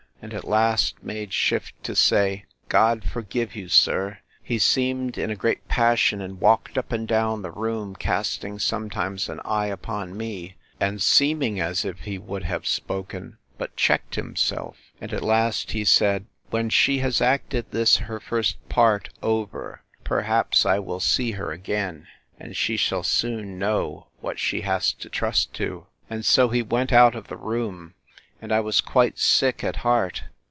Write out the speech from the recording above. —And at last made shift to say—God forgive you, sir!—He seemed in a great passion, and walked up and down the room, casting sometimes an eye upon me, and seeming as if he would have spoken, but checked himself—And at last he said, When she has acted this her first part over, perhaps I will see her again, and she shall soon know what she has to trust to. And so he went out of the room: And I was quite sick at heart!